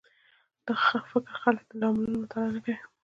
د فکر خلک د لاملونو مطالعه نه کوي